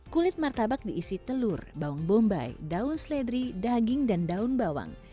kulit martabak diisi telur bawang bombay daun seledri daging dan daun bawang